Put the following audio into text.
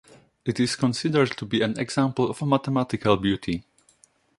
It is considered to be an example of mathematical beauty.